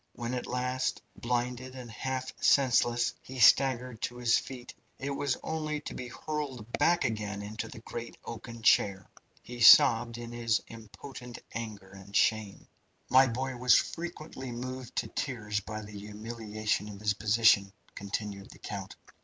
When at last, blinded and half senseless, he staggered to his feet, it was only to be hurled back again into the great oaken chair. He sobbed in his impotent anger and shame. "My boy was frequently moved to tears by the humiliation of his position," continued the count.